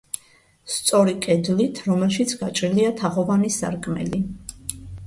სწორი კედლით, რომელშიც გაჭრილია თაღოვანი სარკმელი.